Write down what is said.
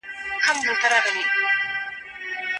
آیا کمپيوټر پوهنه په اقتصادي وده کي رول لري؟